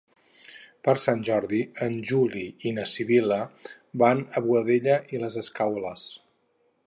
Per Sant Jordi en Juli i na Sibil·la van a Boadella i les Escaules.